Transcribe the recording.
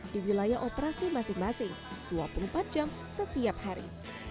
di wilayah operasi masing masing dua puluh empat jam setiap hari